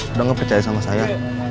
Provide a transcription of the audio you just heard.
udah gak percaya sama saya